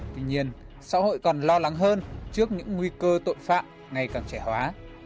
tuy nhiên xã hội còn lo lắng hơn trước những nguy cơ tội phạm ngày càng trẻ hóa